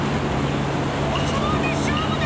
おすもうでしょうぶだ！